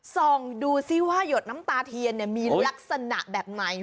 ส่องดูซิว่าหยดน้ำตาเทียนมีลักษณะแบบไหน